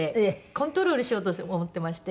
コントロールしようと思ってまして。